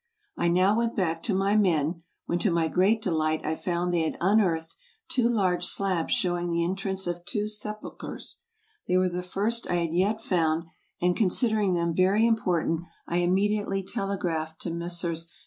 I now went back to my men, when to my great delight I found they had unearthed two large slabs showing the en trance of two sepulchres; they were the first I had yet found, and considering them very important, I immediately telegraphed to Messrs.